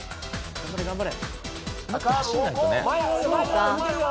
「頑張れ頑張れ！」